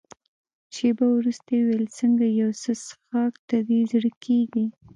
شېبه وروسته يې وویل: څنګه یو څه څیښاک ته دې زړه کېږي؟